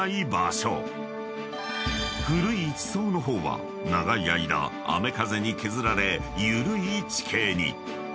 ［古い地層の方は長い間雨風に削られ緩い地形に］